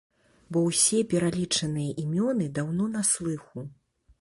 Бо ўсе пералічаныя імёны даўно на слыху.